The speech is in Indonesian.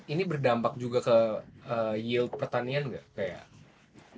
ini berdampak juga ke yield pertanian nggak kayak